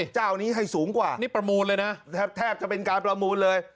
เจ้านี้ให้สูงกว่านี่ประมูลเลยนะแทบจะเป็นการประมูลเลย